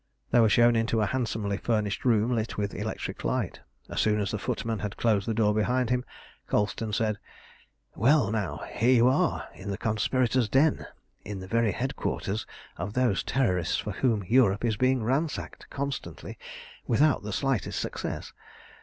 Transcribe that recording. They were shown into a handsomely furnished room lit with electric light. As soon as the footman had closed the door behind him, Colston said "Well, now, here you are in the conspirators' den, in the very headquarters of those Terrorists for whom Europe is being ransacked constantly without the slightest success.